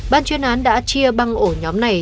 ban chuyên án đã chia băng ổ nhóm này